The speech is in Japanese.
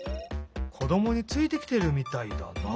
こどもについてきてるみたいだなあ。